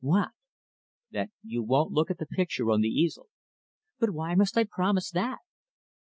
"What?" "That you won't look at the picture on the easel." "But why must I promise that?"